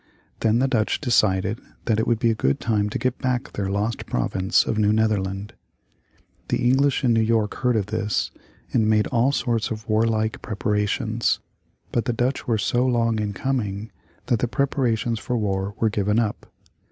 Then the Dutch decided that it would be a good time to get back their lost province of New Netherland. The English in New York heard of this, and made all sorts of warlike preparations. But the Dutch were so long in coming that the preparations for war were given up.